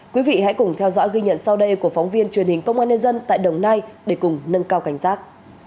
quý vị hãy cùng theo dõi ghi nhận sau đây của phóng viên truyền hình công an nhân dân tại đồng nai để cùng nâng cao cảnh giác